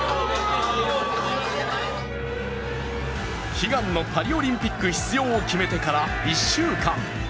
悲願のパリオリンピック出場を決めてから１週間。